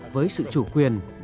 với sự chủ quyền